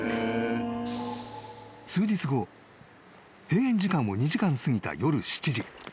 ［閉園時間を２時間過ぎた夜７時］